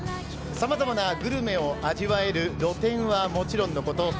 さまざまなグルメを味わえる露天はもちろんのこと